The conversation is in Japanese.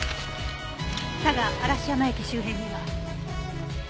嵯峨嵐山駅周辺には。